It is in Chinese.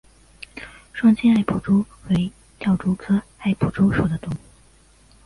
双尖艾普蛛为跳蛛科艾普蛛属的动物。